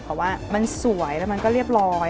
เพราะว่ามันสวยแล้วมันก็เรียบร้อย